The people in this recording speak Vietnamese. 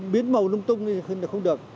biến màu lung tung thì không được